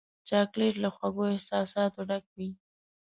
چاکلېټ له خوږو احساساتو ډک وي.